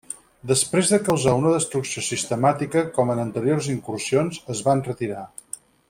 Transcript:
Després de causar una destrucció sistemàtica com en anteriors incursions, es van retirar.